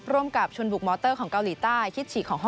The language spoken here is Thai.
ร่วมกับชนบุรีมอลเตอร์ของเกาหลีใต้